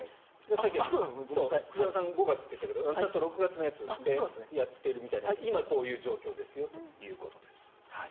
さっき、藤山さんは５月って言ったけどちゃんと６月のやつでやっているみたいで今、こういう状況ですよということです。